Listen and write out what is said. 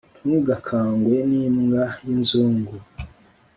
Ntugakangwe n' imbwa y' inzungu